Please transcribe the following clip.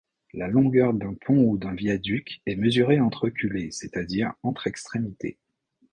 La longueur d'un pont ou d'un viaduc est mesurée entre culées, c'est-à-dire entre extrémités.